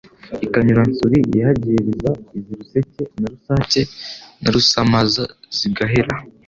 I Kanyura-nsuri yahagerereza Iz'i Ruseke na Rusake na Rusamaza zigahera